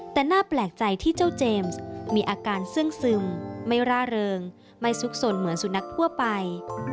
แต่น่าแปลกใจที่เจ้าเจมส์มีอาการเสื่องซึมไม่ร่าเริงไม่ซุกสนเหมือนสุนัขทั่วไป